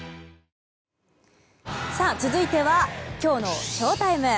続いてはきょうのＳＨＯＴＩＭＥ。